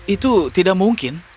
itu tidak mungkin